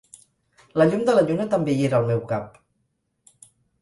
La llum de la lluna també hi era al meu cap.